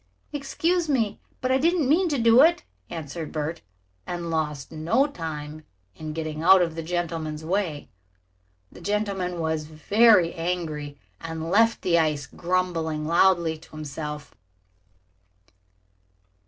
"Excuse me, but I didn't mean to do it," answered Bert, and lost no time in getting out of the gentleman's way. The gentleman was very angry and left the ice, grumbling loudly to himself.